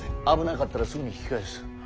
危なかったらすぐに引き返す。